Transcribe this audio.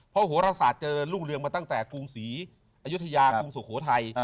เพราะโหรศาสตร์เจอรุ่งเรืองมาตั้งแต่กรุงศรีอยุธยากรุงสุโขทัย